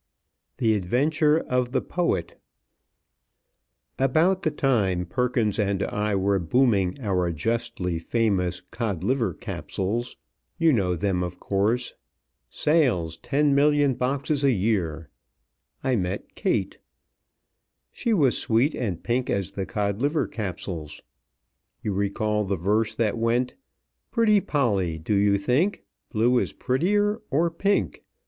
THE ADVENTURE OF THE POET ABOUT the time Perkins and I were booming our justly famous Codliver Capsules, you know them, of course, "sales, ten million boxes a year," I met Kate. She was sweet and pink as the Codliver Capsules. You recall the verse that went: "'Pretty Polly, do you think, Blue is prettier, or pink?'